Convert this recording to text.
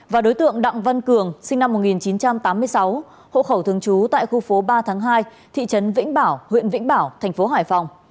và đối tượng đặng văn cường sinh năm một nghìn chín trăm tám mươi sáu hộ khẩu thường trú tại khu phố ba tháng hai thị trấn vĩnh bảo huyện vĩnh bảo thành phố hải phòng